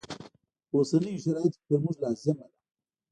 په اوسنیو شرایطو کې پر موږ لازمه ده.